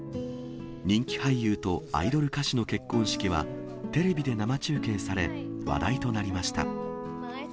人気俳優とアイドル歌手の結婚式は、テレビで生中継され、話題となりました。